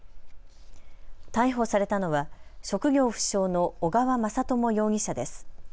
逮捕されたのは職業不詳の小川雅朝容疑者です。